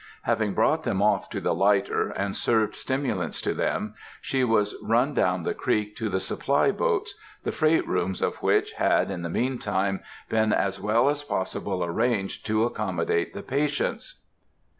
Having brought them off to the lighter, and served stimulants to them, she was run down the creek to the supply boats, the freight rooms of which had, in the mean time, been as well as possible arranged to accommodate the patients.